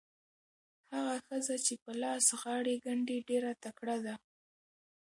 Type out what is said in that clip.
هغه ښځه چې په لاس غاړې ګنډي ډېره تکړه ده.